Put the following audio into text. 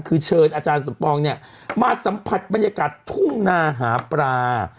คือเชิญอาจารย์สมปองเนี่ยมาสัมผัสบรรยากาศทุ่งนาหาปลา